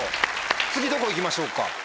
次どこ行きましょうか？